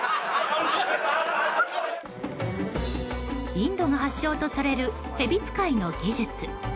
インドが発祥とされるヘビ使いの技術。